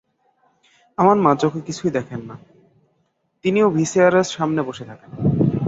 আমার মা চোখে কিছুই দেখেন না, তিনিও ভিসিআর-এর সামনে বসে থাকেন।